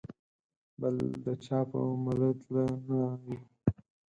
بل د چا په مله تله نه یو.